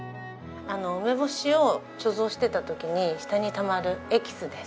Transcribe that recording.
梅干しを貯蔵していた時に下にたまるエキスです。